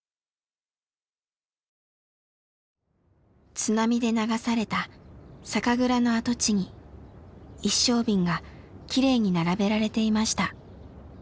津波で流された酒蔵の跡地に一升瓶がきれいに並べられていました。